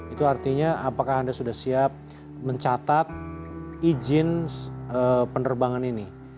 itu artinya apakah anda sudah siap mencatat izin penerbangan ini